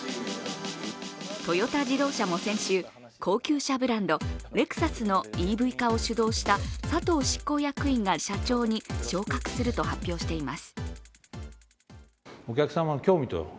トヨタ自動車も先週、高級車ブランド・レクサスのＥＶ化を主導した佐藤執行役員が社長に昇格すると発表しています。